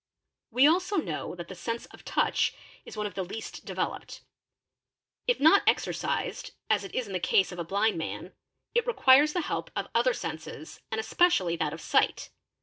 We also know that the sense of touch is one of the © least developed. If not exercised as it is in the case of a blind man, it © requires the help of other senses and especially that of sight.